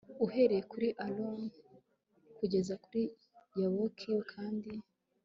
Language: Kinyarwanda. uhereye kuri Arunoni ukageza i Yaboki kandi